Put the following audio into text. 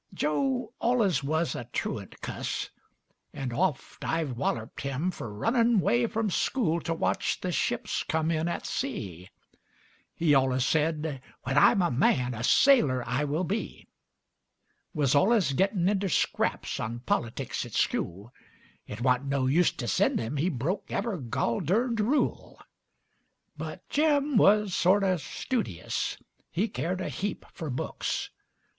Joe allus wuz a truant cuss, And oft I've wallerp'd him Fer runnin' 'way from skule to watch The ships cum in at sea. He allus said, "When I'm a man, A sailor I will be." Wuz allus gettin' inter scraps On politicks at skule; It wa'n't no use to send 'im, He broke ever' gol durned rule. But Jim wuz sort o' studious; He keered a heap fer books.